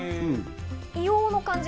硫黄の感じは？